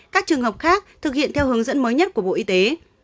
các trường hợp khác thực hiện theo hướng dẫn mới nhất của bộ y tế